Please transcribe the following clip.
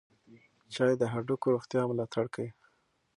چای د هډوکو روغتیا ملاتړ کوي.